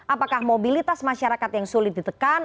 apakah mobilitas masyarakat yang sulit ditekan